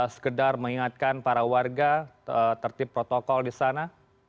sekedar mengingatkan para warga tertip protokol di sana